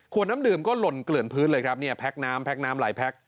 ขวดน้ำดื่มก็หล่นเหลือเลยครับเนี่ยน้ำหลาย